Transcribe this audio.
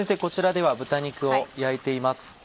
こちらでは豚肉を焼いています。